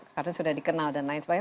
karena sudah dikenal dan lain sebagainya